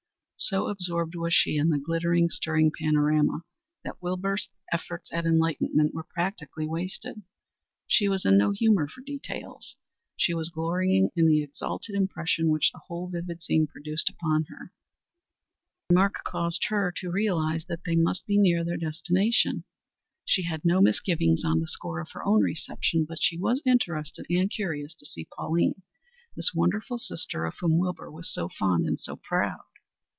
So absorbed was she in the glittering, stirring panorama that Wilbur's efforts at enlightenment were practically wasted. She was in no humor for details; she was glorying in the exalted impression which the whole vivid scene produced upon her. His remark caused her to realize that they must be near their destination. She had no misgivings on the score of her own reception, but she was interested and curious to see Pauline, this wonderful sister of whom Wilbur was so fond and so proud.